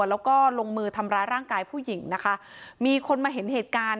แล้วก็ลงมือทำร้ายร่างกายผู้หญิงนะคะมีคนมาเห็นเหตุการณ์